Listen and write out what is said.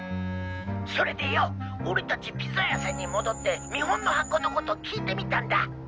それでよォ俺たちピザ屋さんに戻って見本の箱のこと聞いてみたんだ。